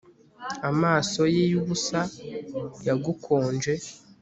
Amaso ye yubusa yagukonje